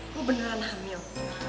kok beneran hamil